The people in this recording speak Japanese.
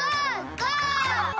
ゴー！